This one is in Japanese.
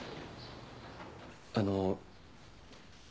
あの。